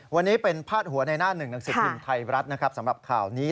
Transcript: วันนี้เป็นพาดหัวในหน้าหนึ่งหนังสิทธิ์ภิมศ์ไทยรัฐสำหรับข่าวนี้